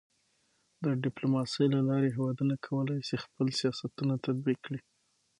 د ډيپلوماسۍ له لارې هېوادونه کولی سي خپل سیاستونه تطبیق کړي.